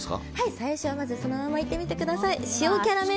最初はそのままいってみてください。